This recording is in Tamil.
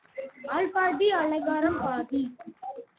ஆள் பாதி, அலங்காரம் பாதி.